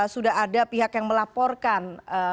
sudah ada pihak yang melaporkan